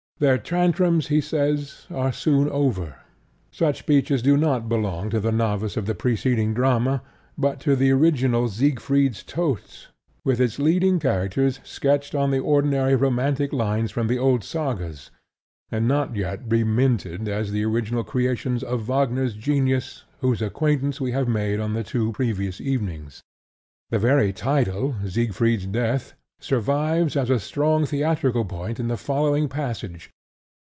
"Their tantrums," he says, "are soon over." Such speeches do not belong to the novice of the preceding drama, but to the original Siegfried's Tod, with its leading characters sketched on the ordinary romantic lines from the old Sagas, and not yet reminted as the original creations of Wagner's genius whose acquaintance we have made on the two previous evenings. The very title "Siegfried's Death" survives as a strong theatrical point in the following passage.